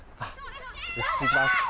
打ちました。